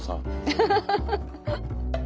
アハハハハ！